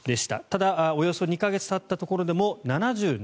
ただおよそ２か月たったところでも７７％